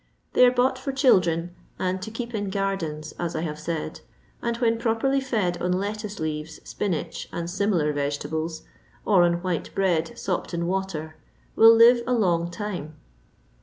They are bought for children, and to keep in gardens as I have said, and when properly fed on lettuce leaves, spinach, and similar vegetables, or on white bread sopped in water, will live a long time.